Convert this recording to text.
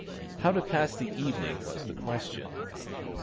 How to pass the evening was the question.